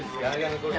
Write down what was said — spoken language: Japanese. ありがとう。